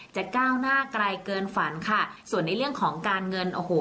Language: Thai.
ก้าวหน้าไกลเกินฝันค่ะส่วนในเรื่องของการเงินโอ้โห